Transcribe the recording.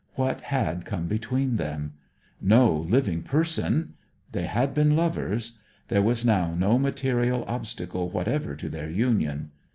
What had come between them? No living person. They had been lovers. There was now no material obstacle whatever to their union.